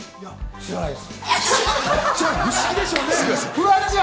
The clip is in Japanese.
知らないです。